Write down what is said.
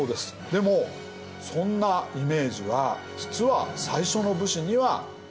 でもそんなイメージは実は最初の武士には当てはまりません。